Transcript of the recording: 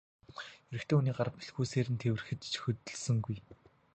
Эрэгтэй хүний гар бэлхүүсээр нь тэврэхэд ч хөдөлсөнгүй.